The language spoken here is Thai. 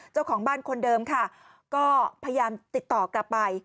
เจ้าของบ้านคนเดิมค่ะก็พยายามติดต่อกลับไป